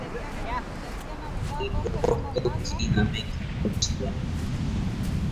তিনি প্রবর্তক জী নামে খ্যাত ছিলেন।